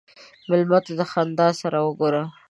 مېلمه ته د خندا سره وګوره.